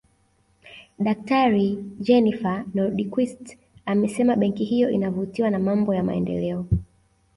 Daktari Jennifer Nordquist amesema benki hiyo inavutiwa na mambo ya maendeleo